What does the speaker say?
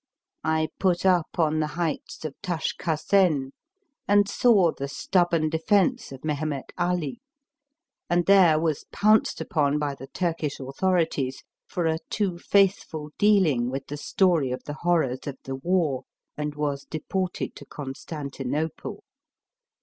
I put up on the heights of Tashkesen, and saw the stubborn defence of Mehemet Ali, and there was pounced upon by the Turkish authorities for a too faithful dealing with the story of the horrors of the war, and was deported to Constantinople.